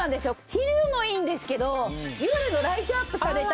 昼もいいんですけど。